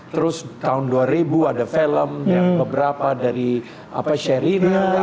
terus tahun dua ribu ada film beberapa dari sherina